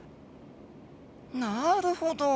なるほど。